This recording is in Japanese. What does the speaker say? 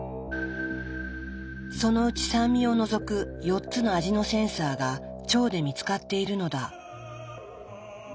そのうち酸味を除く４つの味のセンサーが腸で見つかっているのだ。